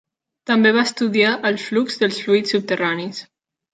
També va estudiar el flux dels fluids subterranis.